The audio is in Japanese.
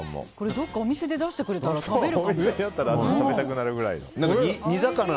どこかお店で出してくれたら食べるかも。